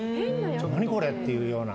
何これ？っていうような。